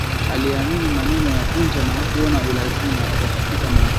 Aliyaamini maneno ya Punja na hakuona ulazima wa kufika mahakamani